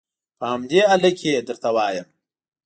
په همدې هلکه یې درته وایم.